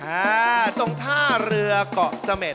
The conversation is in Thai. อ่าตรงท่าเรือเกาะเสม็ด